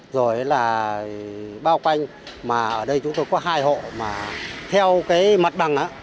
rồi là bao quanh mà ở đây chúng tôi có hai hộ mà theo cái mặt bằng